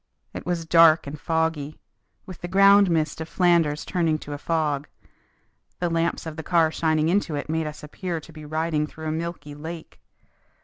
It was dark and foggy, with the ground mist of Flanders turning to a fog. The lamps of the car shining into it made us appear to be riding through a milky lake.